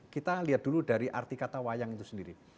kita lihat dulu dari arti kata wayang itu sendiri